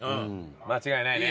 間違いないね。